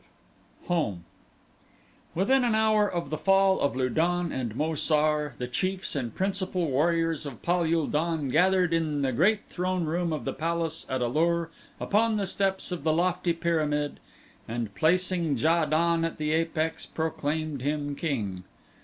25 Home Within an hour of the fall of Lu don and Mo sar, the chiefs and principal warriors of Pal ul don gathered in the great throneroom of the palace at A lur upon the steps of the lofty pyramid and placing Ja don at the apex proclaimed him king.